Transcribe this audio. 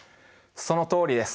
そのとおりです。